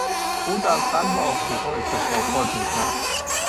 او در قلب آفریقا اکتشاف میکرد.